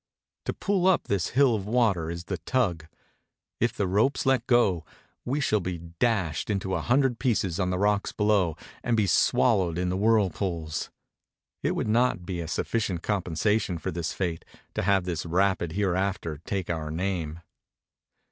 To pull up this hill of water is the tug; if the ropes let go we shall be dashed into a hundred pieces on the rocks below and be swallowed in the whirlpools. It would not be a sufficient compensation for this fate to have this rapid hereafter take our name.